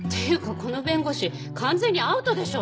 この弁護士完全にアウトでしょ！